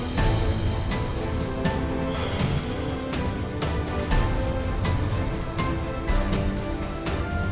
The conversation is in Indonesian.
boleh terus kto tikpities goed dan lain lain